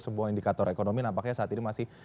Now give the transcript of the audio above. sebuah indikator ekonomi nampaknya saat ini masih